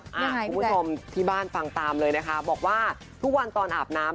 คุณผู้ชมที่บ้านฟังตามเลยนะคะบอกว่าทุกวันตอนอาบน้ำ